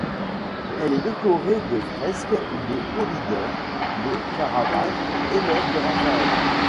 Elle est décorée de fresques de Polydore de Caravage, élève de Raphaël.